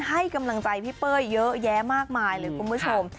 ให้กำลังใจพี่เป้ยเยอะแยะมากมายเลยคุณผู้ชม